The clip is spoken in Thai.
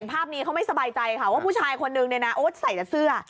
ภาพนี้เขาไม่สบายใจค่ะว่าผู้ชายคนนึงเนี่ยนะโอ๊ตใส่แต่เสื้อ